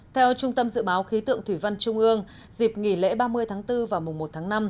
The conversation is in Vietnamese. theo trung tâm dự báo khí tượng thủy văn trung ương dịp nghỉ lễ ba mươi tháng bốn và mùa một tháng năm